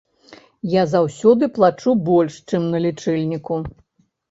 Я заўсёды плачу больш, чым на лічыльніку.